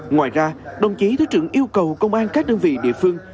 ngoài ra đồng chí thứ trưởng yêu cầu công an các đơn vị địa phương